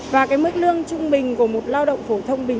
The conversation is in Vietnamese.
và cái mức lương trung bình của một lao động phổ thông bình